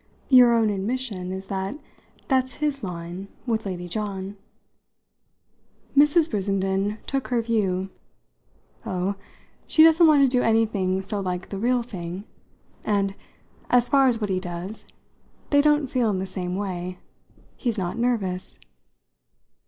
Your own admission is that that's his line with Lady John." Mrs. Brissenden took her view. "Oh, she doesn't want to do anything so like the real thing. And, as for what he does, they don't feel in the same way. He's not nervous."